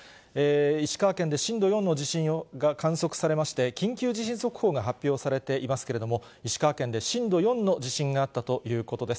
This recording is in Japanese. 石川県で震度４の地震が観測されまして、緊急地震速報が発表されていますけれども、石川県で震度４の地震があったということです。